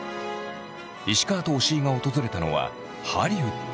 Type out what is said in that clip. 石川と押井が訪れたのはハリウッド！